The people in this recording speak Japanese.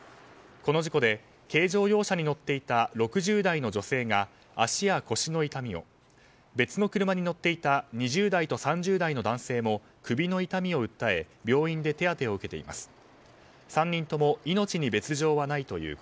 この事故で軽乗用車に乗っていた６０代の女性が足や腰の痛みを別の車に乗っていた２０代と３０代の男性も首の痛みを訴え病院で手当てを受けています。